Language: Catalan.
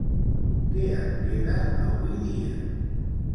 Què en queda, avui dia?